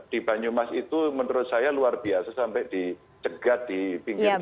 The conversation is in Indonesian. di banyumas itu menurut saya luar biasa sampai dicegat di pinggir jalan